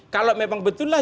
kalau memang betullah